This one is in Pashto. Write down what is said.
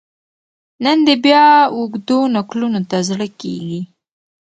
نن دي بیا اوږدو نکلونو ته زړه کیږي